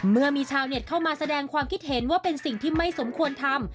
เมื่อมีชาวเน็ตเข้ามาแสดงความคิดเห็นว่าเป็นสิ่งที่ไม่สมควรทำ